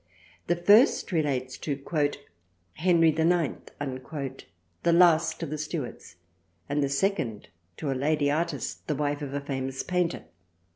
The first relates to " Henry IX." the last of the Stuarts, and the second to a Lady artist the wife of a famous painter.